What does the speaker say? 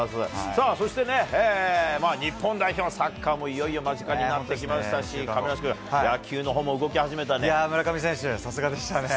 さあ、そして日本代表、サッカーもいよいよ間近になってきましたし、亀梨君、野球のほう村上選手、さすがでしたね。